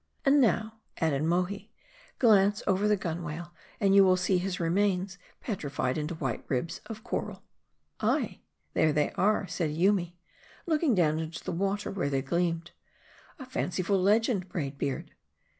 "And now," added Mohi, "glance over the gunwale, and you will see his remains petrified into white ribs of coral." " Ay, there they are," said Toomy, looking down into the water where they gleamed. " A fanciful legend, Braid beard."